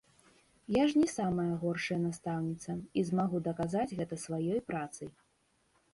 Я ж не самая горшая настаўніца і змагу даказаць гэта сваёй працай.